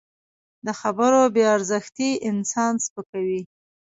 د خبرو بې ارزښتي انسان سپکوي